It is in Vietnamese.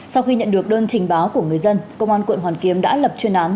sau khi nhận được đơn trình báo của người dân công an quận hoàn kiếm đã lập chuyên án